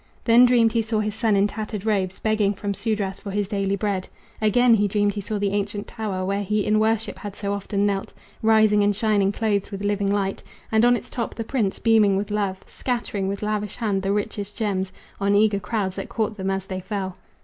Then dreamed he saw his son in tattered robes Begging from Sudras for his daily bread. Again, he dreamed he saw the ancient tower Where he in worship had so often knelt, Rising and shining clothed with living light, And on its top the prince, beaming with love, Scattering with lavish hand the richest gems On eager crowds that caught them as they fell.